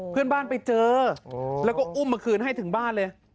ไปเจอแล้วก็อุ้มมาคืนให้ถึงบ้านเลย